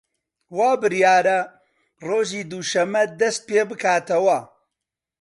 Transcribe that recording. وا بریارە ڕۆژی دووشەممە دەست پێ بکاتەوە